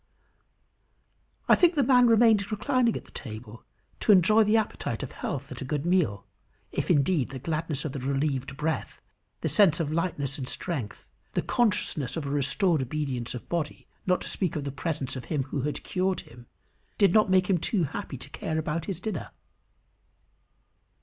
I think the man remained reclining at the table, to enjoy the appetite of health at a good meal; if, indeed, the gladness of the relieved breath, the sense of lightness and strength, the consciousness of a restored obedience of body, not to speak of the presence of him who had cured him, did not make him too happy to care about his dinner.